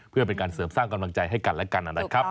เพื่อเป็นการเสริมสร้างกำลังใจให้กันและกันนะครับ